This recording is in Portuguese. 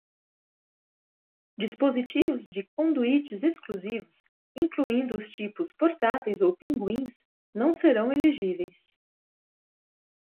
Dispositivos de conduítes exclusivos, incluindo os tipos portáteis ou pinguins, não serão elegíveis.